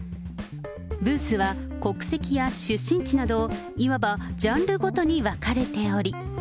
ブースは、国籍や出身地など、いわばジャンルごとに分かれており。